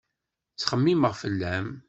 Ttxemmimeɣ fell-am